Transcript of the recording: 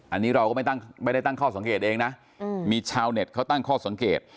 อันนี้เราก็ไม่ได้ตั้งข้อสังเกตเองนะมีชาวเน็ตเขาตั้งข้อสังเกต